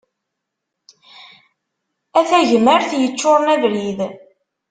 A tagmart yeččuren abrid.